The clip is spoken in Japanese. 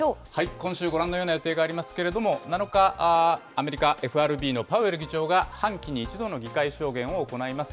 今週、ご覧のような予定がありますけれども、７日、アメリカ、ＦＲＢのパウエル議長が、半期に一度の議会証言を行います。